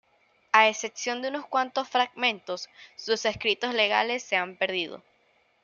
A excepción de unos cuántos fragmentos, sus escritos legales se han perdido.